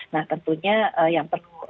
nah tentunya yang perlu